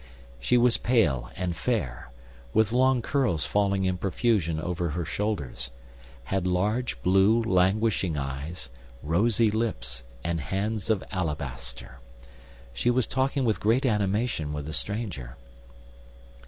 She was pale and fair, with long curls falling in profusion over her shoulders, had large, blue, languishing eyes, rosy lips, and hands of alabaster. She was talking with great animation with the stranger.